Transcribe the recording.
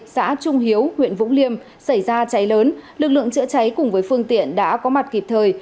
xã trung hiếu huyện vũng liêm xảy ra cháy lớn lực lượng chữa cháy cùng với phương tiện đã có mặt kịp thời